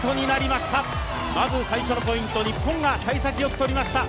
まず最初のポイント、日本がさい先よく取りました。